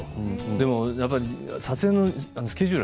撮影のスケジュール